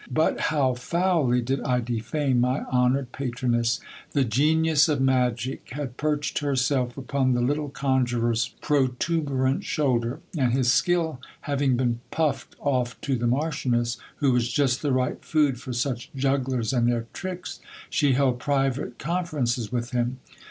But how foully did I defame my honoured patroness ! The genius of magic had perched herself upon the little conjurer's protuberant shoulder ; and his skill having been puffed off to the marchioness, who was just the right food for such jugglers and their tricks, she held private conferences with him.